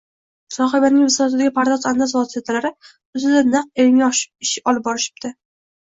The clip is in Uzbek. Sohibaning bisotidagi pardoz-andoz vositalari ustida naq ilmiy ish olib borishibdi